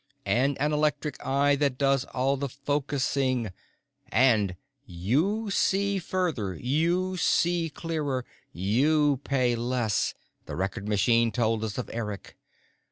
"And 'an electric eye that does all the focusing.' And 'you see further, you see clearer, you pay less,' the Record Machine told us of Eric.